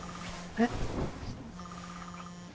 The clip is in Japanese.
えっ？